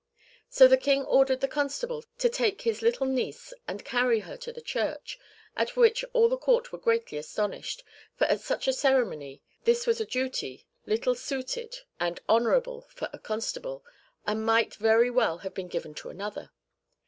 So the King ordered the Constable to take his little niece and carry her to the church, at which all the Court were greatly astonished, for at such a ceremony this was a duty little suited and honourable for a Constable, and might very well have been given to another.